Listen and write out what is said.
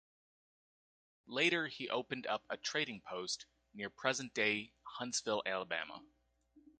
Later he opened up a trading post near present-day Huntsville, Alabama.